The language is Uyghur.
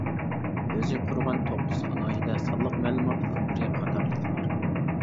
ئۆزى قۇرغان توققۇز ئالاھىدە سانلىق مەلۇمات ئامبىرى قاتارلىقلار.